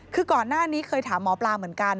คือก่อนหน้านี้เคยถามหมอปลาเหมือนกัน